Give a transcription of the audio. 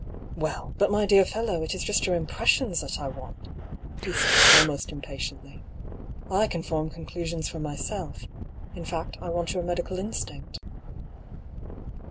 " Well ! but, my dear fellow, it is just your impressions that I want," he said, almost impatieutly. " I can form conclusions for myself. In fact, I want your medical instinct."